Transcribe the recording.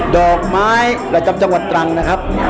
ดอกไม้ประจำจังหวัดตรังนะครับ